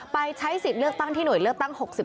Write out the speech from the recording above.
ไปใช้สิทธิ์เลือกตั้งที่หน่วยเลือกตั้ง๖๑